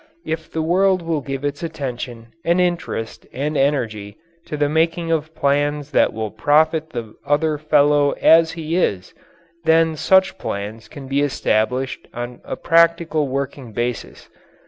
If the world will give its attention and interest and energy to the making of plans that will profit the other fellow as he is, then such plans can be established on a practical working basis.